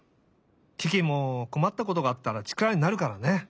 キキもこまったことがあったらちからになるからね！